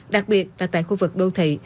đặc biệt là tại khu vực đô thị